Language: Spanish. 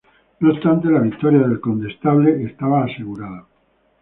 No obstante, la victoria del Condestable estaba asegurada.